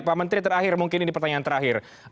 pak menteri terakhir mungkin ini pertanyaan terakhir